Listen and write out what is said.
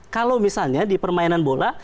kalau misalnya di permainan bola